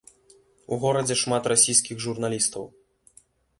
У горадзе шмат расійскіх журналістаў.